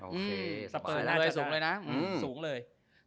โอเคสบายแล้วสูงเลยนะ